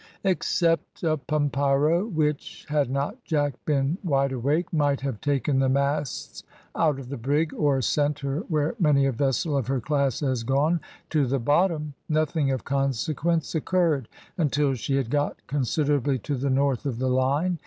Except a pampeiro, which, had not Jack been wideawake, might have taken the masts out of the brig, or sent her where many a vessel of her class has gone to the bottom, nothing of consequence occurred, until she had got considerably to the north of the line.